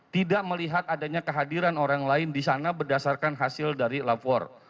tidak melihat adanya kehadiran orang lain di sana berdasarkan hasil dari lafor